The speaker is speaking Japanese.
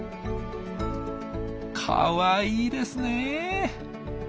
かわいいですね。